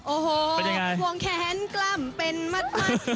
โอ้โหห่วงแขนกล้ำเป็นมัด